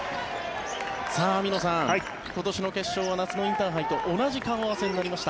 網野さん、今年の決勝は夏のインターハイと同じ顔合わせになりました。